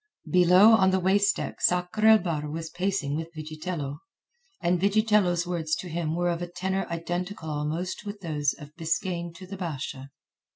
Below on the waist deck Sakr el Bahr was pacing with Vigitello, and Vigitello's words to him were of a tenor identical almost with those of Biskaine to the Basha.